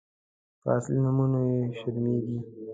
_په اصلي نومونو يې شرمېږي.